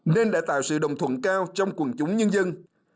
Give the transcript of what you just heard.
nên đã tạo sự đồng thuận cao trong quần chúng nhân dân